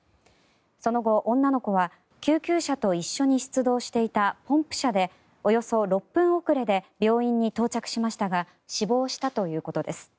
その後、女の子は救急車と一緒に出動していたポンプ車でおよそ６分遅れで病院に到着しましたが死亡したということです。